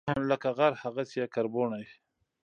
لکه غر، هغسي یې کربوڼی